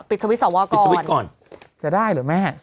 ก็ปิดสวิทย์สอวร์ก่อนปิดสวิทย์ก่อนจะได้หรือไม่อ่ะ